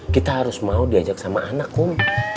kita harus mau diajak sama anak om